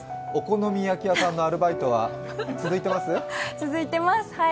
お好み焼き屋さんのアルバイトは続いています？